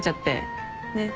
ねっ。